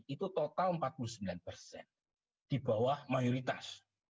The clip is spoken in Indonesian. itu total empat puluh sembilan persen di bawah mayoritas